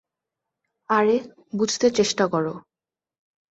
আরে, বুঝতে চেষ্টা কর!